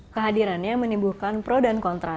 kehadirannya menimbulkan pro dan kontra